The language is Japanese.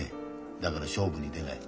だから勝負に出ない。